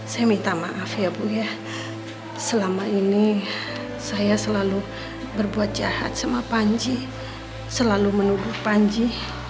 saya minta maaf ya bu ya selama ini saya selalu berbuat jahat sama panji selalu menuduh panji